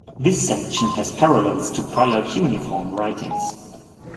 This section has parallels to prior cuneiform writings.